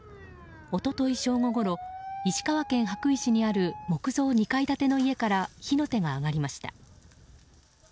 一昨日正午ごろ石川県羽咋市にある木造２階建ての家から火の手が上がりました。